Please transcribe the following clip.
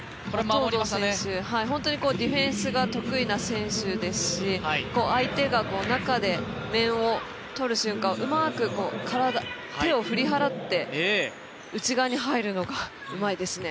東藤選手、本当にディフェンスが得意な選手ですし、相手が中で面をとる瞬間をうまく手を振り払って、内側に入るのがうまいですね。